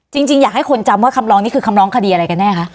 จริงอยากให้คนจำว่าคำร้องนี้คือคำร้องคดีอะไรกันแน่คะ